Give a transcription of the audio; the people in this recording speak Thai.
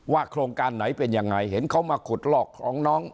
โครงการไหนเป็นยังไงเห็นเขามาขุดลอกของน้อง